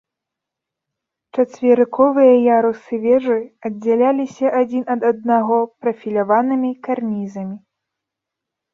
Чацверыковыя ярусы вежы аддзяляліся адзін ад аднаго прафіляванымі карнізамі.